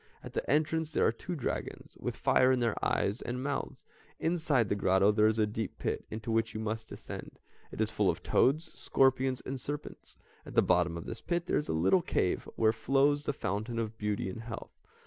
At the entrance there are two dragons, with fire in their eyes and mouths; inside the grotto there is a deep pit into which you must descend, it is full of toads, scorpions, and serpents. At the bottom of this pit there is a little cave where flows the fountain of beauty and health.